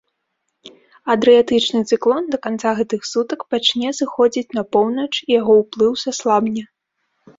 Адрыятычны цыклон да канца гэтых сутак пачне сыходзіць на поўнач і яго ўплыў саслабне.